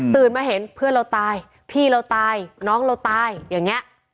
มาเห็นเพื่อนเราตายพี่เราตายน้องเราตายอย่างนี้